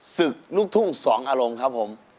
ศึกลูกทุ่งสองอารมณ์ครับผม